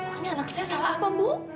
ini anak saya salah apa bu